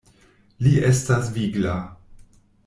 Li estas vigla.